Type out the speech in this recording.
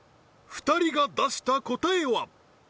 ２人が出した答えは？